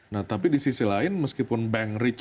nah tapi di sisi lain meskipun bank rich